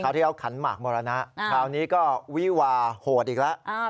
ที่เขาขันหมากมรณะคราวนี้ก็วิวาโหดอีกแล้ว